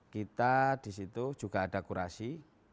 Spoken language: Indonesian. kita di situ juga ada kurasi